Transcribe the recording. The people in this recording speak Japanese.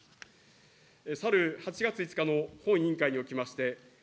去る８月５日の本委員会におきまして。